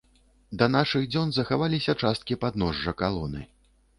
Да нашых дзён захаваліся часткі падножжа калоны.